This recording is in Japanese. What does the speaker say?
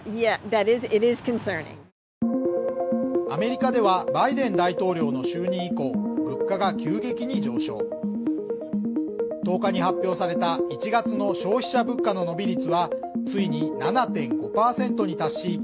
アメリカではバイデン大統領の就任以降物価が急激に上昇１０日に発表された１月の消費者物価の伸び率はついに７．５％に達し